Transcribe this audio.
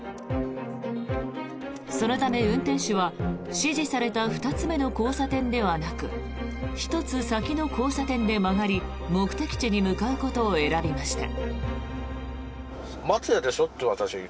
そのため、運転手は指示された２つ目の交差点ではなく１つ先の交差点で曲がり目的地に向かうことを選びました。